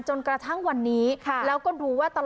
จนกระทั่งวันนี้แล้วก็ดูว่าตลอด